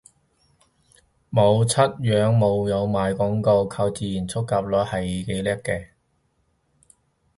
冇出樣又冇賣廣告，靠自然觸及率係幾叻喇